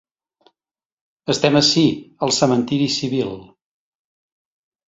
Estem ací, al cementiri civil.